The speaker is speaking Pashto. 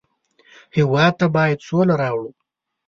هېواد ته باید سوله راوړو